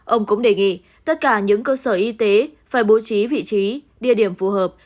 ông cũng đề nghị tất cả những cơ sở y tế phải bố trí vị trí địa điểm phù hợp